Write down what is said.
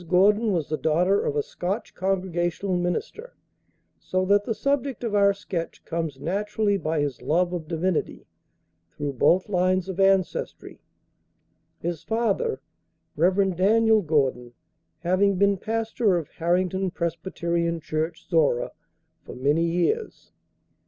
Gordon was the daughter of a Scotch Congregational minister, so that the subject of our sketch comes naturally by his love of divinity, through both lines of ancestry, his father, Rev. Daniel Gordon, having been pastor of Harrington Presbyterian Church, Zorra, for many years.